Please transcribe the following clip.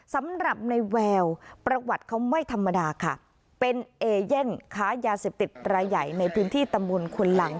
สำหรับในแววประวัติเขาไม่ธรรมดาค่ะเป็นเอเย่นค้ายาเสพติดรายใหญ่ในพื้นที่ตำบลควนหลัง